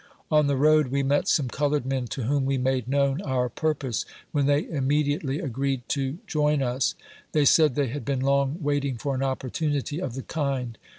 On the road, we met some colored men, to whom we made known our purpose, when they immediately agreed to join us. They said they had been long waiting for an opportunity of the kind.